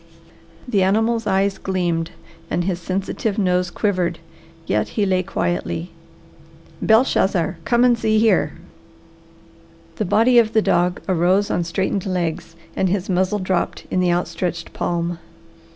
The animal's eyes gleamed and his sensitive nose quivered, yet he lay quietly. "Belshazzar, kommen Sie hier!" The body of the dog arose on straightened legs and his muzzle dropped in the outstretched palm.